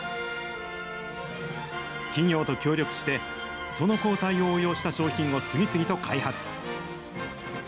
企業と協力して、その抗体を応用した商品を次々と開発。